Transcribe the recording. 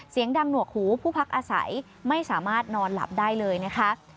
เสียงดังหนวกหูผู้พักอาศัยไม่สามารถนอนหลับได้เลยนะคะ